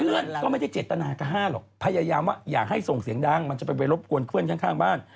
เพื่อนก็ไม่ได้เจตนากับห้าหรอกพยายามว่าอย่าให้ส่งเสียงดังมันจะไปรบกวนเพื่อนข้างบ้าน